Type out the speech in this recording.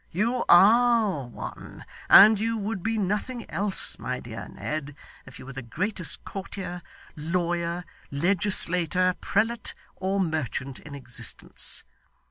You ARE one; and you would be nothing else, my dear Ned, if you were the greatest courtier, lawyer, legislator, prelate, or merchant, in existence.